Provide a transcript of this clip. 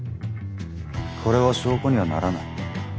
これは証拠にはならない。